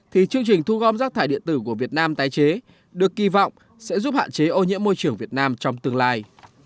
thì chương trình thu gom rác thải điện tử của việt nam tái chế được kỳ vọng sẽ giúp hạn chế ô nhiễm môi trường việt nam trong tương lai